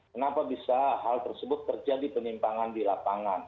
kenapa bisa hal tersebut terjadi penyimpangan di lapangan